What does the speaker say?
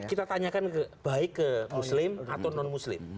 kita tanyakan baik ke muslim atau non muslim